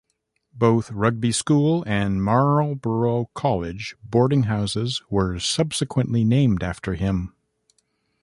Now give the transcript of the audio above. Both Rugby School and Marlborough College boarding houses were subsequently named after him.